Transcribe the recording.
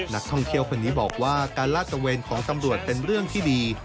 นักท่องเที่ยวคนนี้บอกว่าการลาดตะเวนของตำรวจเป็นเรื่องที่ดี